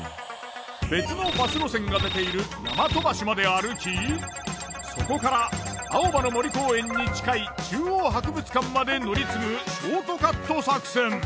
別のバス路線が出ている大和橋まで歩きそこから青葉の森公園に近い中央博物館まで乗り継ぐショートカット作戦。